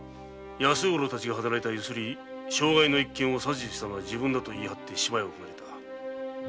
安五郎たちが働いたユスリ傷害の一件を指図したのは自分だとお前は言い張って島へ送られた。